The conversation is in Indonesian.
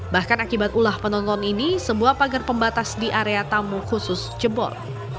bahkan akibat ulah penonton ini sebuah pagar pembatas di area tamu khusus jebol